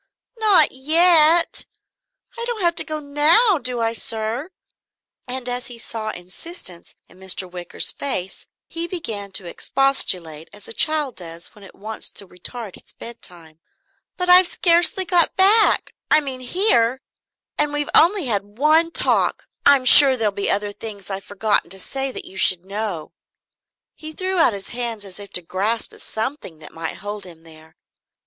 "Not yet? I don't have to go now, do I, sir?" And as he saw insistence in Mr. Wicker's face he began to expostulate as a child does when it wants to retard its bedtime. "But I've scarcely got back I mean, here. And we've only had one talk I'm sure there'll be other things I've forgotten to say that you should know " He threw out his hands as if to grasp at something that might hold him there.